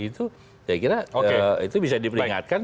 itu saya kira itu bisa diperingatkan